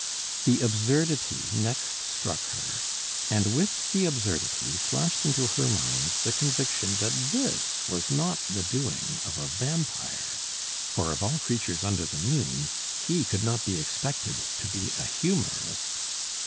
The absurdity next struck her; and with the absurdity flashed into her mind the conviction that this was not the doing of a vampire; for of all creatures under the moon, he could not be expected to be a humorist.